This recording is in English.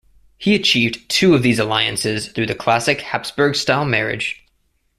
He achieved two of these alliances through the classic Habsburg style - marriage.